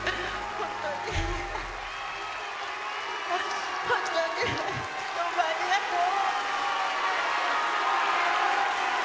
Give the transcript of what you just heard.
本当に、本当にどうもありがとう。